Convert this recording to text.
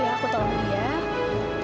iya aku tau sama dia